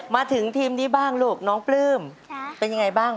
มาถึงทีมนี้บ้างลูกน้องปลื้มเป็นยังไงบ้าง